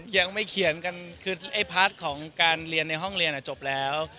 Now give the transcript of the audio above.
ยังไม่เขียนกันคือไอ้พาร์ทของการเรียนในห้องเรียนจบแล้ว